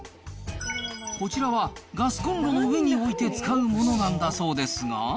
こちらは、ガスコンロの上に置いて使うものなんだそうですが。